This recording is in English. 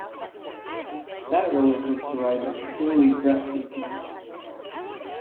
That roller coaster ride was truly breathtaking.